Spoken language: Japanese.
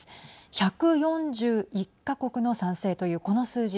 １４１か国の賛成というこの数字